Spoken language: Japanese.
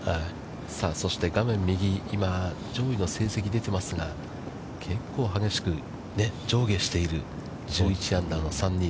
さあ、そして画面右、今、上位の成績が出てますが、結構激しく上下している１２アンダーの３人。